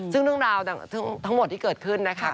ซึ่งเรื่องราวทั้งหมดที่เกิดขึ้นนะคะ